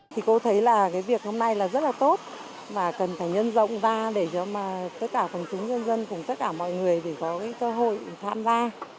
thì cô thấy là cái việc hôm nay là rất là tốt mà cần phải nhân rộng ra để cho mà tất cả phòng chúng dân dân cùng tất cả mọi người để có cái cơ hội tham gia